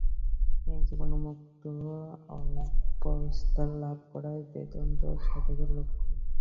এই জীবন্মুক্ত অবস্থা লাভ করাই বেদান্ত-সাধকের লক্ষ্য।